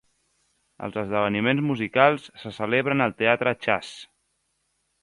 Els esdeveniments musicals se celebren al teatre Chasse.